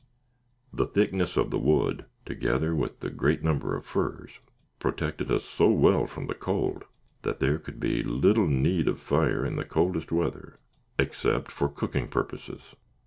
The thickness of the wood, together with the great number of furs, protected us so well from the cold, that there could be little need of fire in the coldest weather, except for cooking purposes.